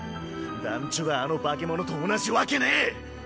団ちょがあの化け物と同じわけねぇ！